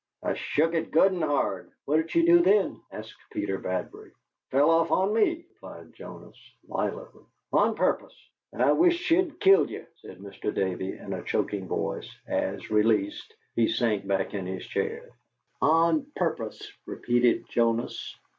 "I shook it good and hard!" "What did she do then?" asked Peter Bradbury. "Fell off on me," replied Jonas, violently. "On purpose!" "I wisht she'd killed ye," said Mr. Davey, in a choking voice, as, released, he sank back in his chair. "On purpose!" repeated Jonas.